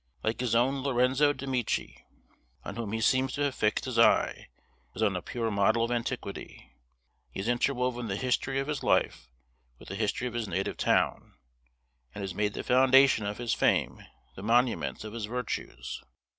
Like his own Lorenzo de' Medici, on whom he seems to have fixed his eye, as on a pure model of antiquity, he has interwoven the history of his life with the history of his native town, and has made the foundations of his fame the monuments of his virtues.